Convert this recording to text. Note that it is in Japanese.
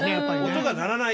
音が鳴らない。